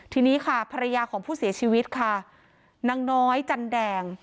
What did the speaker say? ทีนี้ค่ะภรรยาของผู้เสียชีวิตค่ะนางน้อยจันแดง